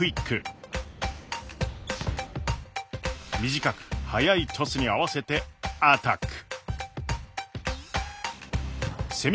短く速いトスに合わせてアタック。